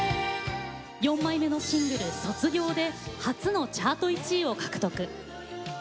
４枚目のシングル「卒業」で初のチャート１位を獲得。